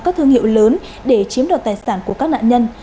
các thương hiệu lớn để chiếm đoạt tài sản của các nạn nhân